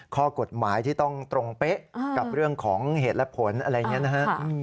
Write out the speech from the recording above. ข้อกฎหมายที่ต้องตรงเป๊ะกับเรื่องของเหตุและผลอะไรอย่างนี้นะฮะ